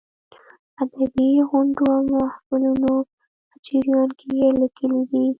ادبي غونډو او محفلونو په جریان کې یې لیکلې دي.